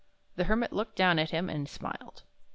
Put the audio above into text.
The Hermit looked down at him and smiled.